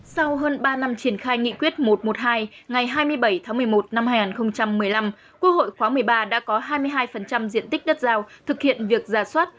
sau hơn ba năm triển khai nghị quyết một trăm một mươi hai ngày hai mươi bảy tháng một mươi một năm hai nghìn một mươi năm quốc hội khóa một mươi ba đã có hai mươi hai diện tích đất giao thực hiện việc giả soát